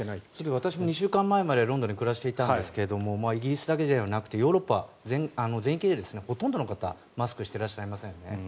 私も２週間前までロンドンで暮らしていたんですがイギリスだけではなくてヨーロッパ全域でほとんどの方はマスクをしていらっしゃいませんね。